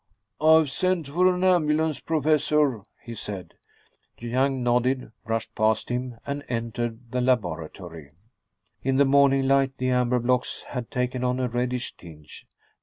"I've sent for an ambulance, Professor," he said. Young nodded, brushed past him, and entered the laboratory. In the morning light the amber blocks had taken on a reddish tinge.